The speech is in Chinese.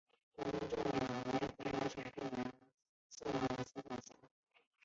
仁义镇为湖南省桂阳县所辖镇。